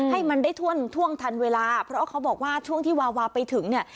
ให้มันได้ท่วนท่วงทันเวลาเพราะเขาบอกว่าช่วงที่วาวาไปถึงเนี่ย